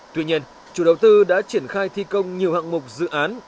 tuy nhiên chủ đầu tư đã triển khai thi công nhiều hạng mục dự án